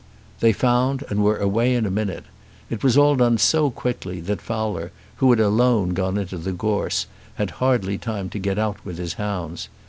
They found and were away in a minute. It was all done so quickly that Fowler, who had alone gone into the gorse, had hardly time to get out with his hounds.